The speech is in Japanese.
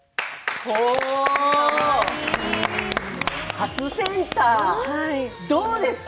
初センター、どうですか？